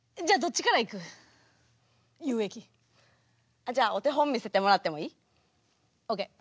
あっじゃあお手本見せてもらってもいい？ＯＫ。